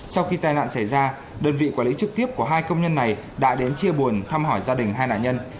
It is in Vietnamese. sau khi tai nạn xảy ra đơn vị quản lý trực tiếp của hai công nhân này đã đến chia buồn thăm hỏi gia đình hai nạn nhân